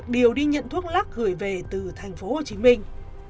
điều đi nhận thuốc lắc gửi về từ thành phố hồ chí minh